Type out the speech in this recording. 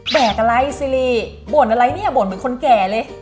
แกกอะไรซิรีบบ่นอะไรเนี่ยบ่นเหมือนคนแก่เลย